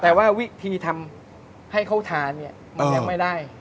แต่ว่าวิธีทำให้เขาทานเนี่ยมันยังไม่ได้